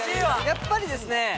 やっぱりですね